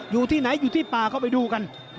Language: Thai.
อยู่ที่ไหนอยู่ที่ป่าเข้าไปดูกัน